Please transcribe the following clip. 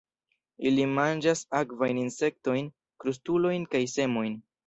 Ili manĝas akvajn insektojn, krustulojn kaj semojn.